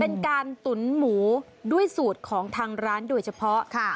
ตุ๋นหมูด้วยสูตรของทางร้านโดยเฉพาะค่ะ